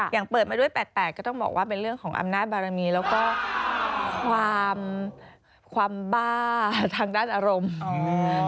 เปิดมาด้วย๘๘ก็ต้องบอกว่าเป็นเรื่องของอำนาจบารมีแล้วก็ความความบ้าทางด้านอารมณ์